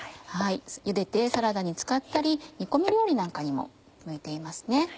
ゆでてサラダに使ったり煮込み料理なんかにも向いています。